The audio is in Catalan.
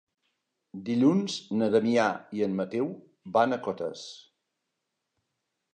Dilluns na Damià i en Mateu van a Cotes.